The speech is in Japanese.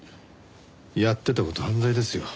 やってた事は犯罪ですよ。